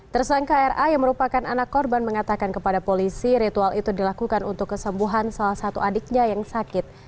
tersangka ra yang merupakan anak korban mengatakan kepada polisi ritual itu dilakukan untuk kesembuhan salah satu adiknya yang sakit